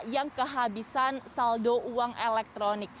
yang kehabisan saldo uang elektronik